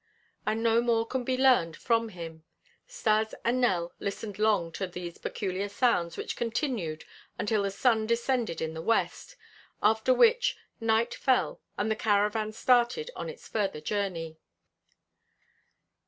And no more could be learned from him. Stas and Nell listened long to these peculiar sounds which continued until the sun descended in the west, after which night fell and the caravan started on its further journey.